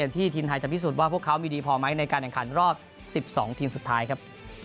ที่ทีมไทยจะพิสูจน์ว่าพวกเขามีดีพอไหมในการแข่งขันรอบ๑๒ทีมสุดท้ายครับ